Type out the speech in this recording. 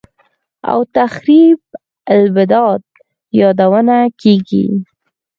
او «تخریب البلاد» یادونه کېږي